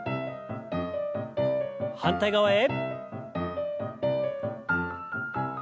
反対側へ。